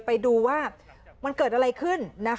ไปดูว่ามันเกิดอะไรขึ้น